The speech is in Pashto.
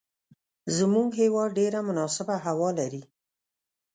زموږ هیواد ډیره مناسبه هوا لری